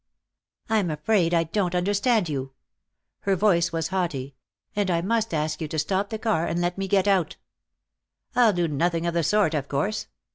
"I'm afraid I don't understand you." Her voice was haughty. "And I must ask you to stop the car and let me get out." "I'll do nothing of the sort, of course.